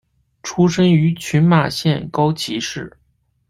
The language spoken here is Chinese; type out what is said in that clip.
出身于群马县高崎市。